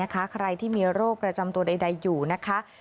ใครที่มีโรคประจำตัวใดอยู่นะคะ